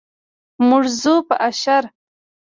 موږ ځو په اشر.